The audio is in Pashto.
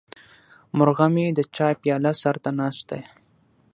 مرغه مې د چای پیاله سر ته ناست دی.